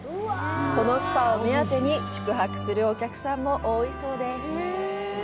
このスパを目当てに宿泊するお客さんも多いそうです。